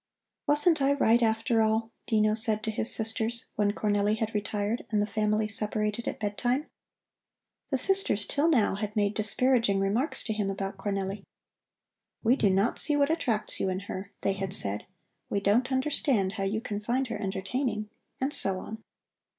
"Wasn't I right, after all?" Dino said to his sisters, when Cornelli had retired and the family separated at bedtime. The sisters till now had made disparaging remarks to him about Cornelli. "We do not see what attracts you in her," they had said. "We don't understand how you can find her entertaining," and so on.